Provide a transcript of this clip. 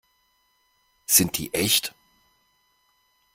Sind die echt?